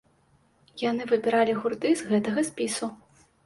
Яны выбіралі гурты з гэтага спісу.